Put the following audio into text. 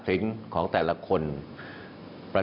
วันนี้นั้นผมจะมาพูดคุยกับทุกท่าน